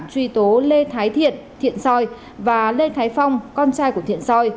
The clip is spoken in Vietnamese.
truy tố lê thái thiện thiện soi và lê thái phong con trai của thiện soi